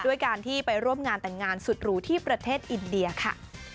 ด้วยการที่ไปร่วมงานแต่งงานสุดหรูที่ประเทศอินเดียค่ะ